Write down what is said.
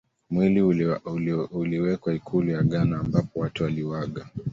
Mwili uliwekwa ikulu ya Ghana ambapo Watu waliuaga